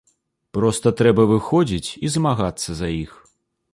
Проста трэба выходзіць і змагацца за іх.